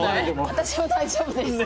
私も大丈夫です。